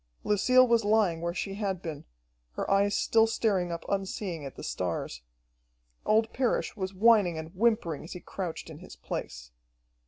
Lucille was lying where she had been, her eyes still staring up unseeing at the stars. Old Parrish was whining and whimpering as he crouched in his place.